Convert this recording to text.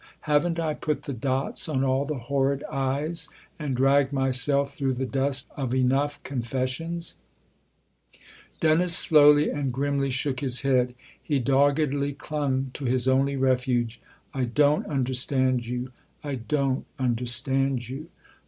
Haven't I put the dots on all the horrid i's and dragged myself through the dust of enough confessions ?" Dennis slowly and grimly shook his head ; he doggedly clung to his only refuge. " I don't under stand you I don't understand you."